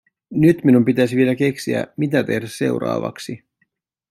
Nyt minun pitäisi vielä keksiä, mitä tehdä seuraavaksi.